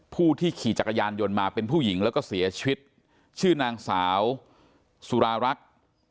ผู้ที่ขี่จักรยานยนต์มาเป็นผู้หญิงแล้วก็เสียชีวิตชื่อนางสาวสุรารักษ์